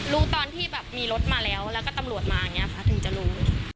รู้ตอนที่แบบมีรถมาแล้วแล้วก็ตำรวจมาอย่างนี้ค่ะถึงจะรู้